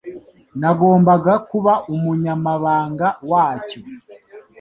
nagombaga kuba umunyamabanga wacyo